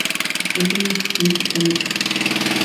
Aquello no significa nada.